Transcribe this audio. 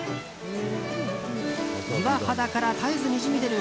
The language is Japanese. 岩肌から絶えずにじみ出る